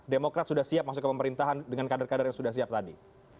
demokrat sudah siap masuk ke pemerintahan dengan kader kader yang sudah siap tadi